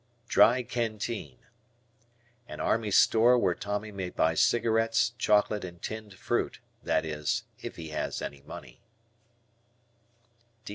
Dry Canteen. An army store where Tommy may buy cigarettes, chocolate, and tinned fruit, that is, if he has any money.